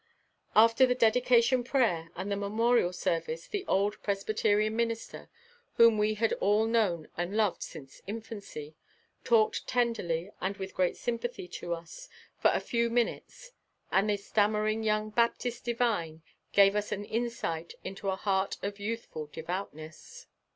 After the dedication prayer and the memorial service the old Presbyterian minister, whom we had all known and loved since infancy, talked tenderly and with great sympathy to us for a few minutes and the stammering young Baptist divine gave us an insight into a heart of youthful devoutness.